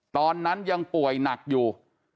ตอนนั้นยังป่วยหนักอยู่